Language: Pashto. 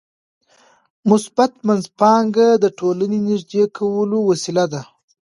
مثبت منځپانګه د ټولنې نږدې کولو وسیله ده.